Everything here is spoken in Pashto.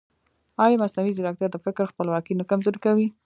ایا مصنوعي ځیرکتیا د فکر خپلواکي نه کمزورې کوي؟